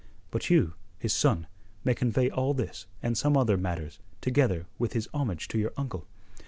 But you, his son, may convey all this and some other matters together with his homage to your uncle.